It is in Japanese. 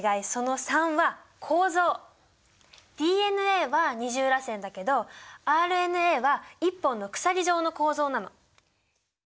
ＤＮＡは二重らせんだけどＲＮＡは１本の鎖状の構造なの。